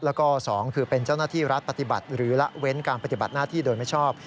แล้วก็๒คือเป็นเจ้าหน้าที่รัฐปฏิบัติหรือละเว้นการปฏิบัติหน้าที่โดยไม่ชอบ